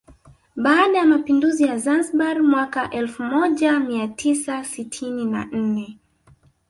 Baada ya mapinduzi ya Zanzibar mwaka elfu moja mia tisa sitini na nne